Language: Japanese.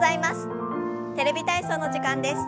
「テレビ体操」の時間です。